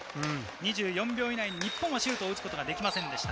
２４秒以内に日本はシュートを打つことはできませんでした。